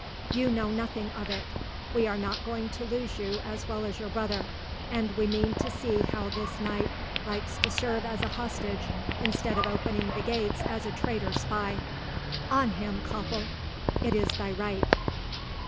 "You know nothing of it. We are not going to lose you as well as your brother, and we mean to see how this knight likes to serve as a hostage instead of opening the gates as a traitor spy. On him, Koppel! it is thy right."